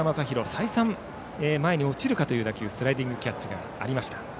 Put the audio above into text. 再三前に落ちるかという打球スライディングキャッチがありました。